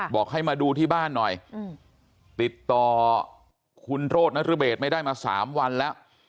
บอกให้มาดูที่บ้านหน่อยติดต่อคุณโรธนรเบศไม่ได้มา๓วันแล้ว